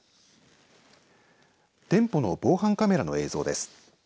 店舗の防犯カメラの映像です。